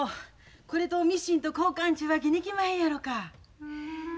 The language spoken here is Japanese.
これとミシンと交換ちゅうわけにいきまへんやろか？